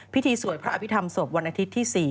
พิธีสวดพระอภิษฐรรมศพวันอาทิตย์ที่๔